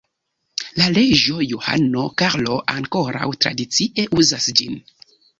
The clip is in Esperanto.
La reĝo Johano Karlo ankoraŭ tradicie uzas ĝin.